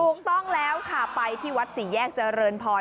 ถูกต้องแล้วค่ะไปที่วัดสี่แยกเจริญพร